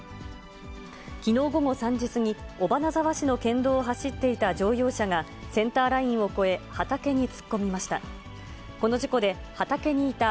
きのう午後３時過ぎ、尾花沢市の県道を走っていた乗用車がセンターラインを越え、畑に突っ込みました。